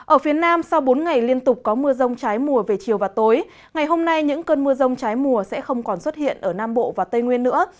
ở phía nam sau bốn ngày liên tục có mưa rông trái mùa về chiều và tối ngày hôm nay những cơn mưa rông trái mùa sẽ không còn xuất hiện ở nam bộ và tây nguyên nữa